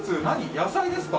野菜ですか？